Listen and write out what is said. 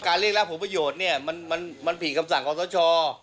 การเรียกรับผลประโยชน์มันผิดคำสั่งของท่วช